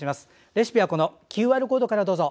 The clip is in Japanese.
レシピはＱＲコードからどうぞ。